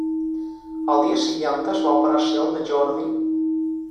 Al día siguiente es la operación de Jordi.